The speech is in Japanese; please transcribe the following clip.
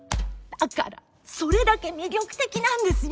だからそれだけ魅力的なんですよ。